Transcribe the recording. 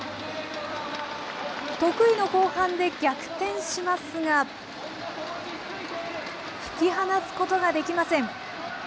得意の後半で逆転しますが、引き離すことができません。